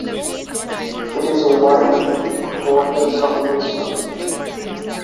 It is a white, water-soluble solid.